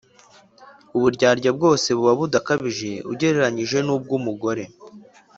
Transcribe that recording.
Uburyarya bwose buba budakabije ugereranije n’ubw’umugore;